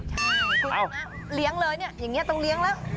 ใช่คุณชนะเลี้ยงเลยเนี่ยอย่างนี้ต้องเลี้ยงแล้ว